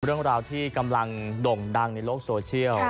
เรื่องราวที่กำลังด่งดังในโลกโซเชียล